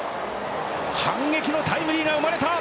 反撃のタイムリーが生まれた。